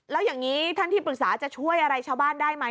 แล้วอย่างนี้ท่านที่ปรึกษาจะช่วยอะไรชาวบ้านได้ไหม